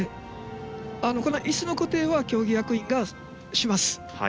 いすの固定は、競技役員がします。